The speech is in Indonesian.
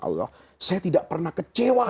allah saya tidak pernah kecewa